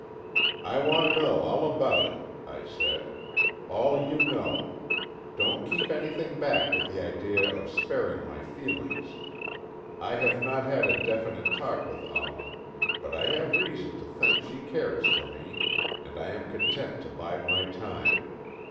"I want to know all about it," I said. "All you know. Don't keep anything back with the idea of sparing my feelings. I have not had a definite talk with Alma, but I have reason to think she cares for me, and I am content to bide my time.